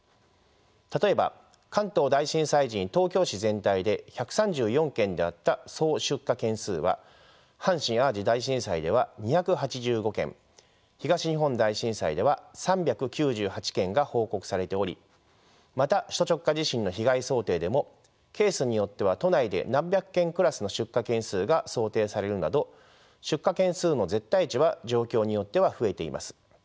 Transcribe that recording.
例えば関東大震災時に東京市全体で１３４件であった総出火件数は阪神・淡路大震災では２８５件東日本大震災では３９８件が報告されておりまた首都直下地震の被害想定でもケースによっては都内で何百件クラスの出火件数が想定されるなど出火件数の絶対値は状況によっては増えています。